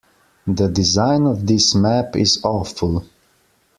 The design of this map is awful.